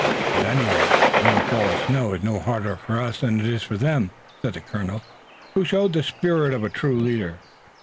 "At any rate, another fall of snow is no harder for us than it is for them," said the colonel, who showed the spirit of a true leader.